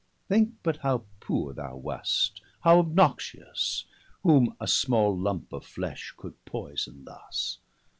Thinke but how poore thou wast, how obnoxious; Whom a small lumpe of flesh could poyson thus.